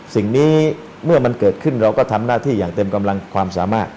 สิ่งนี้เมื่อมันเกิดขึ้นเราก็ทำหน้าที่อย่างเต็มกำลังความสามารถ